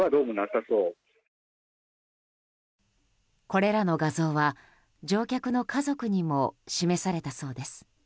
これらの画像は乗客の家族にも示されたそうです。